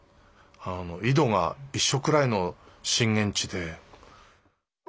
あの緯度が一緒くらいの震源地で。